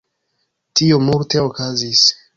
Tio multe okazis